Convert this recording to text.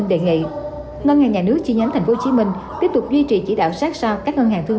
đề nghị ngân hàng nhà nước chi nhánh tp hcm tiếp tục duy trì chỉ đạo sát sao các ngân hàng thương